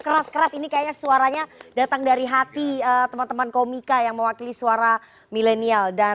keras keras ini kayaknya suaranya datang dari hati teman teman komika yang mewakili suara milenial dan